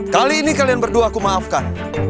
kali ini kalian berdua aku maafkan